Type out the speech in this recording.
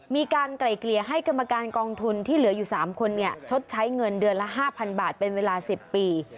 มีการไกล่เกลียให้กรรมการกองทุนที่เหลืออยู่สามคนเนี่ยชดใช้เงินเดือนละห้าพันบาทเป็นเวลาสิบปี